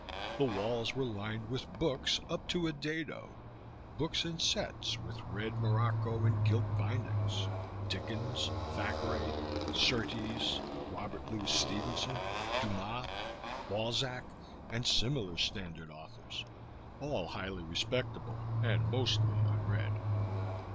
The walls were lined with books up to a dado books in sets, with red morocco and gilt bindings: Dickens, Thackeray, Surtees, Robert Louis Stevenson, Dumas, Balzac and similar standard authors all highly respectable and mostly unread.